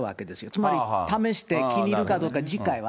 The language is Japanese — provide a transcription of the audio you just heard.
つまり、試して気に入るかどうか、次回は。